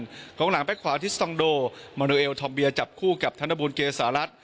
กลางหลังแป๊กขวาอาทิสตองโดมันูเอลทอมเบียร์จับคู่กับธนบุญเกษสารัส